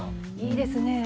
いいですねえ。